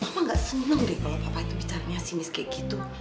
mama gak seneng deh kalau papa itu bicara masinis kayak gitu